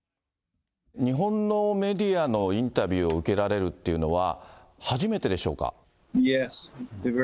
日本のメディアのインタビューを受けられるっていうのは、初めてでしょうか。